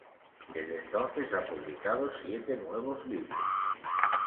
Desde entonces ha publicado siete nuevos libros.